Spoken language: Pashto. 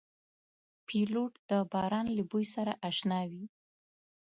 پیلوټ د باران له بوی سره اشنا وي.